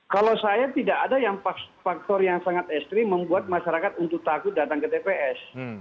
kalau saya tidak ada yang faktor yang sangat ekstrim membuat masyarakat untuk takut datang ke tps